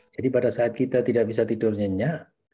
jadi pada saat kita tidak bisa tidur nyenyak